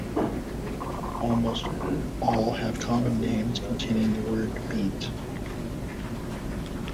Almost all have common names containing the word "beet".